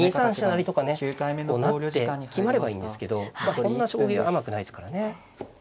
成とかね成って決まればいいんですけどそんな将棋は甘くないですからね。